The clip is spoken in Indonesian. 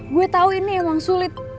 gue tahu ini emang sulit